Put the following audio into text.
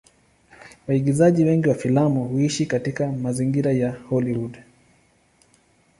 Waigizaji wengi wa filamu huishi katika mazingira ya Hollywood.